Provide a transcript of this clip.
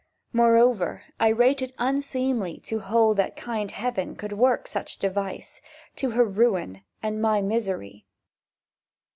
Moreover I rate it unseemly To hold that kind Heaven Could work such device—to her ruin And my misery.